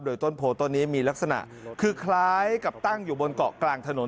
โดยต้นโพต้นนี้มีลักษณะคือคล้ายกับตั้งอยู่บนเกาะกลางถนน